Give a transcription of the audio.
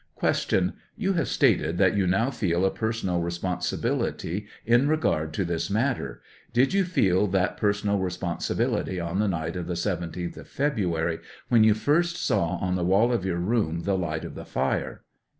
Q. You have stated that you now feel a personal responsibility in regard to this matter; did you feel that personal responsibility on the night of the 17th of February, when you first saw on the wall of your room the light of the fire?